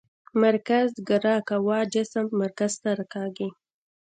مرکزګرا قوه جسم مرکز ته راکاږي.